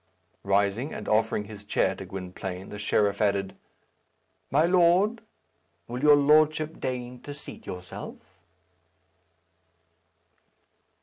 Rising, and offering his chair to Gwynplaine, the sheriff added, "My lord, will your lordship deign to seat yourself?"